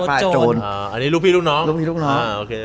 อันนี้ลูกพี่ลูกน้อง